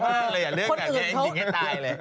อ่างเลยแหละเรื่องนนี้ยังให้ตายเลย